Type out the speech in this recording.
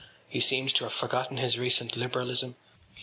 He seemed to have forgotten his recent liberalism.